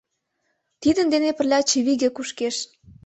Тидын дене пырля чывиге кушкеш.